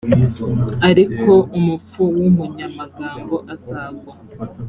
ariko umupfu w umunyamagambo azagwa